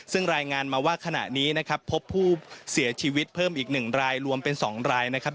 ซึ่งรายงานมาว่าขณะนี้นะครับพบผู้เสียชีวิตเพิ่มอีก๑รายรวมเป็น๒รายนะครับ